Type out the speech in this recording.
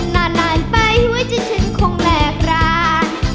นานไปหัวใจฉันคงแลกร้าน